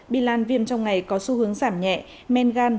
bi lan viêm trong ngày có xu hướng giảm nhẹ men gan